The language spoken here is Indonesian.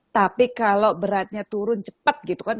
tapi kalau beratnya turun cepat gitu kan